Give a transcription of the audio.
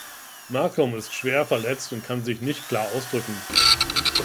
Malcom ist schwer verletzt und kann sich nicht klar ausdrücken.